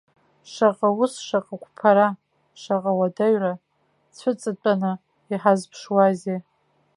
Шаҟа ус, шаҟа қәԥара, шаҟа уадаҩра цәыҵатәаны иҳазԥшузеи!